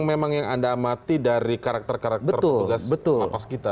memang yang anda amati dari karakter karakter petugas lapas kita